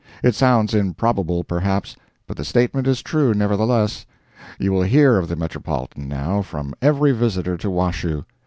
It sounds improbable, perhaps, but the statement is true, nevertheless. You will hear of the Metropolitan, now, from every visitor to Washoe.